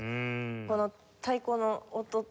この太鼓の音と。